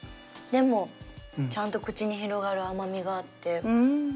でもちゃんと口に広がる甘みがあって。